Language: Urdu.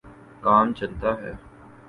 کام چلتا ہے۔